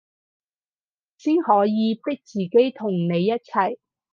先可以逼自己同你一齊